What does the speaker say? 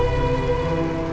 om jangan om